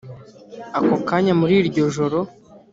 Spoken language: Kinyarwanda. Ako kanya muri iryo joro